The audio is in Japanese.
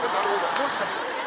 もしかして。